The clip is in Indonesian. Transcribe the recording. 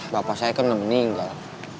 bapak saya kan meninggal